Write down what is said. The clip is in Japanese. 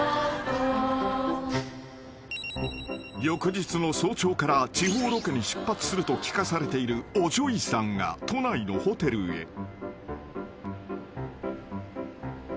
［翌日の早朝から地方ロケに出発すると聞かされているおＪＯＹさんが都内のホテルへ］